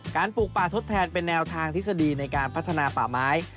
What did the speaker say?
ปลูกป่าทดแทนเป็นแนวทางทฤษฎีในการพัฒนาป่าไม้